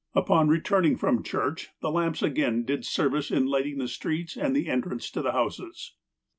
Upon returning from church, the lamps again did service in lighting the streets and the entrance to the houses.